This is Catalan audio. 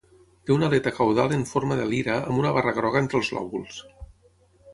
Té una aleta caudal en forma de lira amb una barra groga entre els lòbuls.